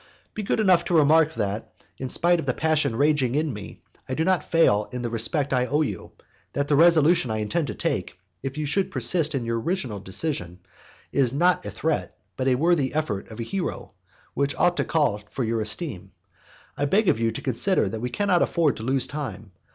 Be good enough to remark that, in spite of the passion raging in me, I do not fail in the respect I owe you; that the resolution I intend to take, if you should persist in your original decision, is not a threat, but an effort worthy of a hero, which ought to call for your esteem. I beg of you to consider that we cannot afford to lose time.